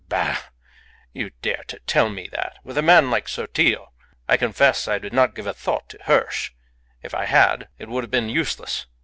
"Bah! You dare to tell me that, with a man like Sotillo. I confess I did not give a thought to Hirsch. If I had it would have been useless.